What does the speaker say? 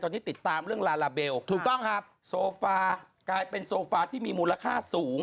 ตอนนี้ติดตามเรื่องลาลาเบลถูกต้องครับโซฟากลายเป็นโซฟาที่มีมูลค่าสูง